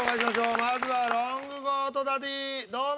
まずはロングコートダディ堂前。